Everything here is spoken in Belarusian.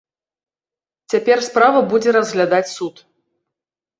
Цяпер справу будзе разглядаць суд.